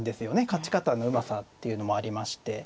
勝ち方のうまさっていうのもありまして。